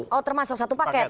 oh termasuk satu paket